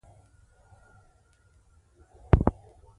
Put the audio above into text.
سپینه واوره طبیعت ته ښکلا ورکوي.